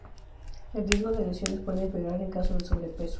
El riesgo de lesiones puede empeorar en caso de sobrepeso.